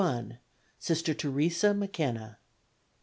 Sister Teresa McKenna.